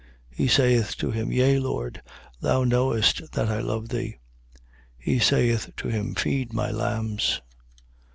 He saith to him: Yea, Lord, thou knowest that I love thee. He saith to him: Feed my lambs.